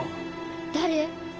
誰？